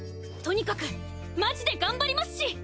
とにかくマジで頑張りますし！